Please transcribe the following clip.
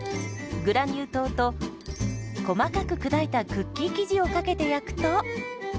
グラニュー糖と細かく砕いたクッキー生地をかけて焼くと。